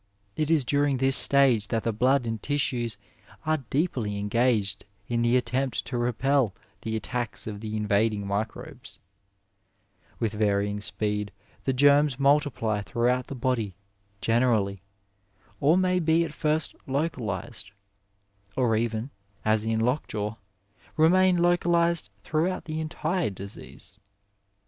It is during this stage that the blood and tissues are deeply engaged in the attempt to repel the attacks of the invading microbes. With varying speed the germs multiply throughout the 246 Digitized by Google MEDICINE IN THE NINETEENTH CENTURY body generally, or may be at first localized, or even, as in lockjaw, remain localized throughout the entire disease.